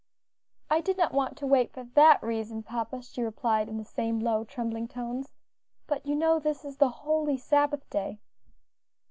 "I did not want to wait for that reason, papa," she replied in the same low, trembling tones, "but you know this is the holy Sabbath day."